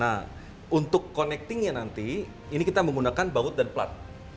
nah untuk connectingnya nanti ini kita menggunakan baut dan plat